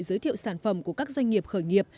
giới thiệu sản phẩm của các doanh nghiệp khởi nghiệp